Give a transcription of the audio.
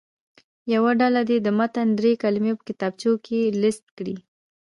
یوه ډله دې د متن دري کلمې په کتابچو کې لیست کړي.